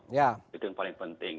itu yang paling penting